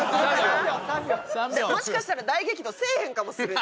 もしかしたら大激怒せえへんかも。